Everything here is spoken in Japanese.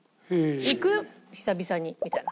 「行く？久々に」みたいな。